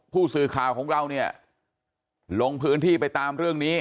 ผู้สื่อข่าวของเราเนี่ยลงพื้นที่ไปตามเรื่องนี้